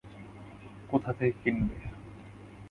কোথা থেকে কিনবে?